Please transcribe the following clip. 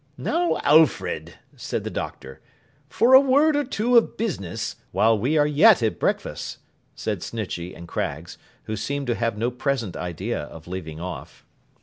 'Now, Alfred,' said the Doctor, 'for a word or two of business, while we are yet at breakfast.' 'While we are yet at breakfast,' said Snitchey and Craggs, who seemed to have no present idea of leaving off.